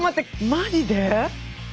マジで？